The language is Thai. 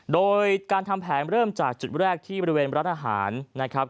โดยการทำแผนเริ่มจากจุดแรกที่บริเวณร้านอาหารนะครับ